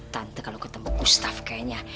tante kalau ketemu ustadz kayaknya